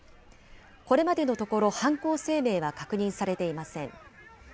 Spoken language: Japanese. これまでのところ、犯行声明は確認されていません。